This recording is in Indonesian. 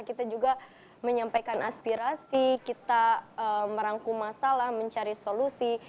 kita juga menyampaikan aspirasi kita merangkum masalah mencari solusi